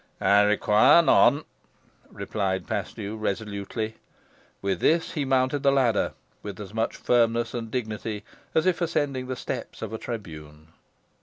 "I require none," replied Paslew, resolutely. With this he mounted the ladder, with as much firmness and dignity as if ascending the steps of a tribune.